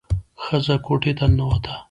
ښځه کوټې ته ننوته.